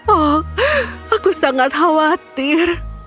oh aku sangat khawatir